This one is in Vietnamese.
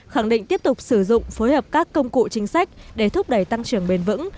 khẳng định tiếp tục sử dụng phối hợp các công cụ chính sách để thúc đẩy tăng trưởng bền vững